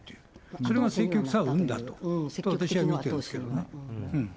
それが積極さを生んだと、私は見てますけどね。